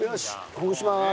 ほぐします。